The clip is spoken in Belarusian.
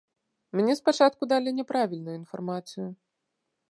Мне спачатку далі няправільную інфармацыю.